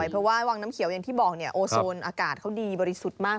เพราะว่าวังน้ำเขียวอย่างที่บอกเนี่ยโอโซนอากาศเขาดีบริสุทธิ์มาก